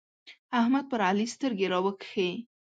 احمد پر علي سترګې راوکښې.